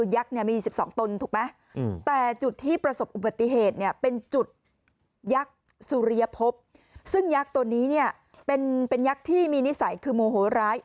ยักษ์สุริยภพซึ่งยักษ์ตัวนี้เป็นยักษ์ที่มีนิสัยคือโมโหร้าย